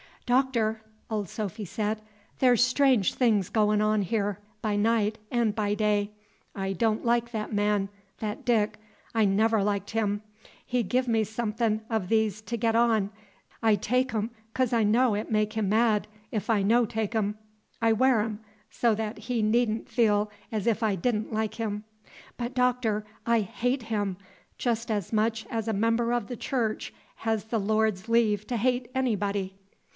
"Doctor," old Sophy said, "there's strange things goin' on here by night and by day. I don' like that man, that Dick, I never liked him. He giv' me some o' these things I' got on; I take 'em 'cos I know it make him mad, if I no take 'em; I wear 'em, so that he need n' feel as if I did n' like him; but, Doctor, I hate him, jes' as much as a member of the church has the Lord's leave to hate anybody."